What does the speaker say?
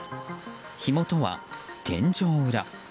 火元は天井裏。